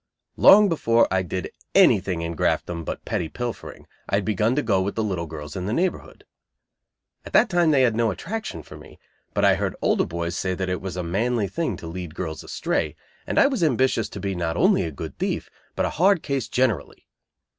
Long before I did anything in Graftdom but petty pilfering, I had begun to go with the little girls in the neighborhood. At that time they had no attraction for me, but I heard older boys say that it was a manly thing to lead girls astray, and I was ambitious to be not only a good thief, but a hard case generally.